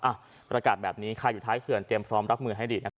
ประกาศแบบนี้ใครอยู่ท้ายเขื่อนเตรียมพร้อมรับมือให้ดีนะครับ